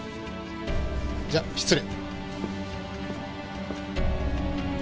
じゃ失礼。